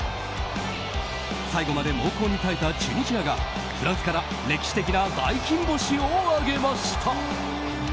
最後まで猛攻に耐えたチュニジアがフランスから歴史的な大金星を挙げました。